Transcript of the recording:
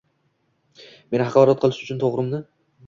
Meni haqorat qilish uchun, to`g`rimi